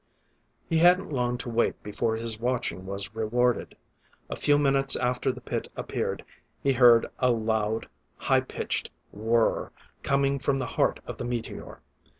He hadn't long to wait before his watching was rewarded. A few minutes after the pit appeared, he heard a loud, high pitched whir coming from the heart of the meteor.